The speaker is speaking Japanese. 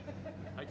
はい。